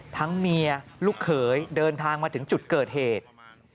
เมียลูกเขยเดินทางมาถึงจุดเกิดเหตุ